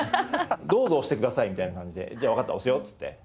「どうぞ押してください」みたいな感じで「じゃあわかった押すよ」っつって。